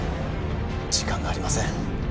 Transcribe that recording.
時間がありません